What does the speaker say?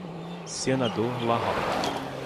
Senador La Rocque